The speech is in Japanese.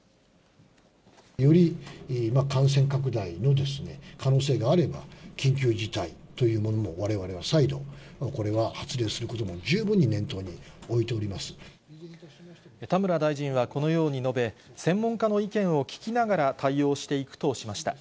より感染拡大の可能性があれば、緊急事態というものを、われわれは再度、これは発令することも十田村大臣はこのように述べ、専門家の意見を聞きながら対応していくとしました。